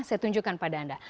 saya tunjukkan pada anda